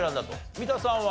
三田さんは？